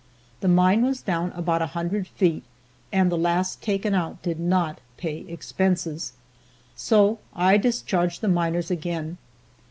The mine was down about a hundred feet, and the last taken out did not pay expenses, so I discharged the miners again.